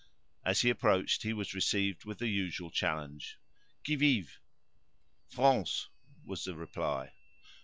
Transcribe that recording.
As he approached he was received with the usual challenge: "Qui vive?" "France," was the reply.